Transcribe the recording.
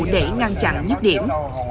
để ngăn chặn nhất điểm